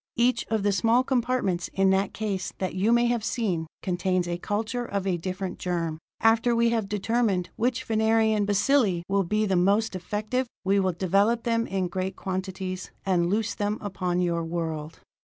Each of the small compartments in that case that you may have seen, contains a culture of a different germ. After we have determined which Venerian bacilli will be the most effective, we will develop them in great quantities, and loose them upon your world.